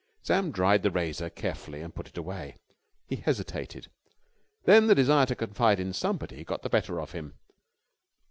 Sam dried the razor carefully and put it away. He hesitated. Then the desire to confide in somebody got the better of him.